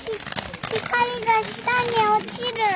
光が下に落ちる！